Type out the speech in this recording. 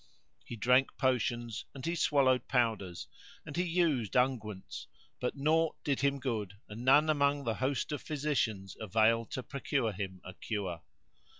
He drank potions and he swallowed pow ders and he used unguents, but naught did him good and none among the host of physicians availed to procure him a cure.